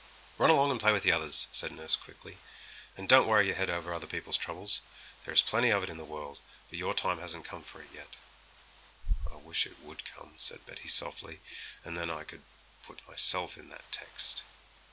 'Run along and play with the others,' said nurse quickly, 'and don't worry your head over other people's troubles. There is plenty of it in the world, but your time hasn't come for it yet.' 'I wish it would come,' said Betty softly, 'and then I could put myself in that text.'